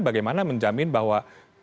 bagaimana menjamin bahwa